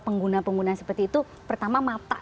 pengguna penggunaan seperti itu pertama mata